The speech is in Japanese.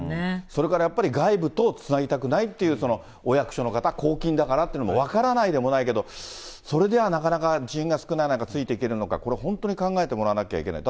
それからやっぱり外部とつなぎたくないっていう、お役所の方、公金だからというのも分からないでもないけど、それではなかなか人員が少ない中ついていけるのか、これ、本当に考えてもらわなきゃいけない。